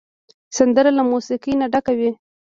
سندره له موسیقۍ نه ډکه وي